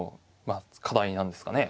あ課題なんですかね